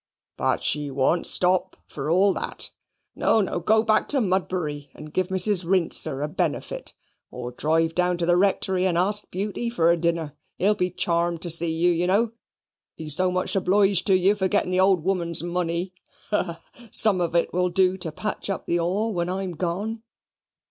"But she wawn't stop for all that. Naw, naw, goo back to Mudbury and give Mrs. Rincer a benefit; or drive down to the Rectory and ask Buty for a dinner. He'll be charmed to see you, you know; he's so much obliged to you for gettin' the old woman's money. Ha, ha! Some of it will do to patch up the Hall when I'm gone."